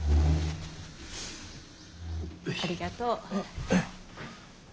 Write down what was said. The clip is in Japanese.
ありがとう。